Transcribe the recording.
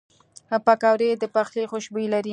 پکورې د پخلي خوشبویي لري